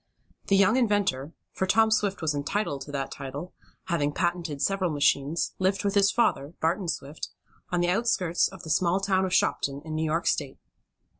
The young inventor, for Tom Swift was entitled to that title, having patented several machines, lived with his father, Barton Swift, on the outskirts of the small town of Shopton, in New York State.